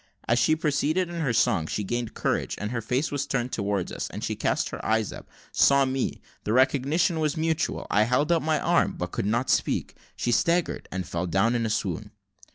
As she proceeded in her song, she gained courage, and her face was turned towards us, and she cast her eyes up saw me the recognition was mutual I held out my arm, but could not speak she staggered, and fell down in a swoon.